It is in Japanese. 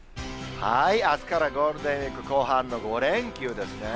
あすからゴールデンウィーク後半の５連休ですね。